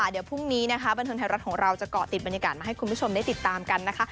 เดี๋ยวพรุ่งนี้นะคะบันเทิงไทยรัฐของเราจะเกาะติดบรรยากาศมาให้คุณผู้ชมได้ติดตามกันนะคะ